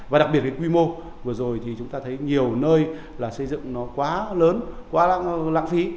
và đặc biệt với quy mô vừa rồi thì chúng ta thấy nhiều nơi là xây dựng nó quá lớn quá lãng phí